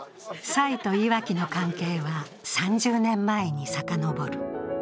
蔡といわきの関係は３０年前にさかのぼる。